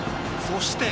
そして。